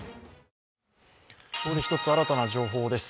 ここで１つ新たな情報です。